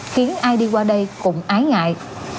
khiến ai đi qua đây cũng ái ngại